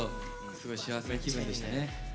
すごい幸せな気分でしたね。